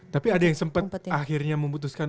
tapi ada yang sempat akhirnya memutuskan